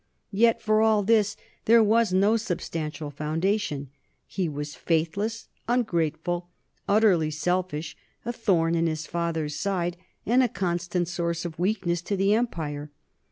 Yet for all this there was no substantial foundation. He was faithless, ungrateful, utterly selfish, a thorn in his father's side and a constant source of weakness to the empire.